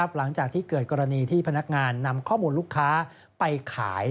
หลังจากที่เกิดกรณีที่พนักงานนำข้อมูลลูกค้าไปขาย